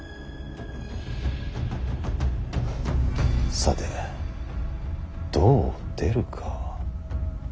さてどう出るか。